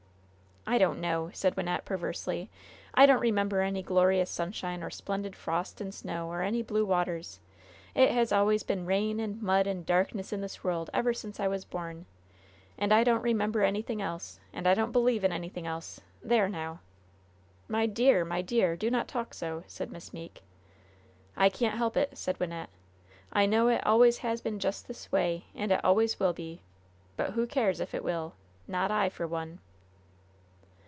"I don't know!" said Wynnette, perversely. "I don't remember any glorious sunshine, or splendid frost and snow, or any blue waters. It has always been rain, and mud, and darkness in this world ever since I was born! And I don't remember anything else, and I don't believe in anything else there, now!" "My dear! my dear! do not talk so!" said Miss Meeke. "I can't help it," said Wynnette. "I know it always has been just this way, and it always will be. But who cares if it will? Not I, for one.